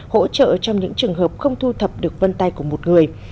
hỗ trợ trong những trường hợp không thu thập được vân tay của một người